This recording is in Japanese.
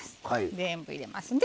全部入れますね。